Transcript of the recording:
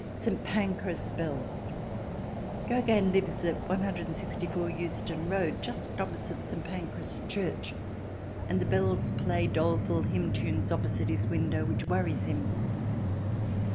St. Pancras' Bells Gogin lives at 164 Euston Road, just opposite St. Pancras Church, and the bells play doleful hymn tunes opposite his window which worries him.